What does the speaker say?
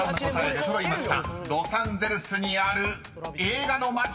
出揃いました］